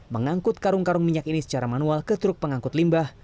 mengangkut karung karung minyak ini secara manual ke truk pengangkut limbah